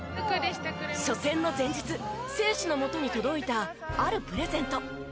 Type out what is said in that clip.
初戦の前日選手のもとに届いたあるプレゼント。